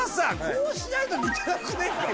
こうしないと似てなくね？